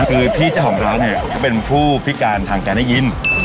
คือพี่เจ้าของร้านเนี่ยเขาเป็นผู้พิการทางการได้ยิน